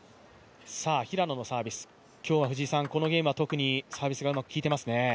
今日はこのゲームは特にサービスがうまく効いていますね。